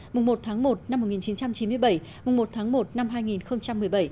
mùng một tháng một năm một nghìn chín trăm chín mươi bảy mùng một tháng một năm hai nghìn một mươi bảy